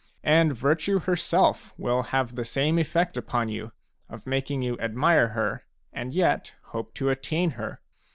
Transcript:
And virtue herself will have the same effect upon you, of making you admire her and yet hope to attain her.